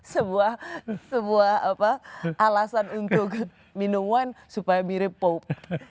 sebuah sebuah apa alasan untuk minum wine supaya mirip pope